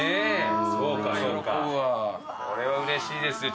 これはうれしいですよ